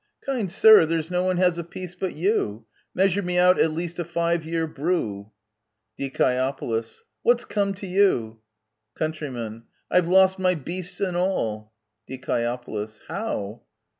Kind sir, there's no one has a peace but you — Measure me out at least a five year brew ! Die. What's come to you ? Count I've lost my beasts and all ! Die. How?